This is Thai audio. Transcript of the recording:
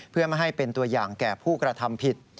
เพื่อไม่ให้เป็นตัวอย่างแก่ผู้กระทำผิด